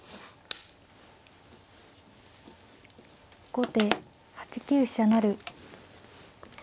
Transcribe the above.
後手８九飛車成。